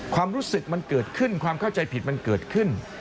ความรู้สึกมันเกิดขึ้นความเข้าใจผิดมันเกิดขึ้น